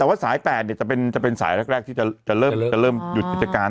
แต่ว่าสายแปดเนี้ยจะเป็นจะเป็นสายแรกแรกที่จะจะเริ่มจะเริ่มหยุดจัดการ